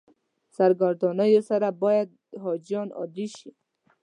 سرګردانیو سره باید حاجیان عادي شي.